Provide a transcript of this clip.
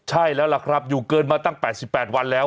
ใช่แล้วล่ะครับอยู่เกินมาตั้ง๘๘วันแล้ว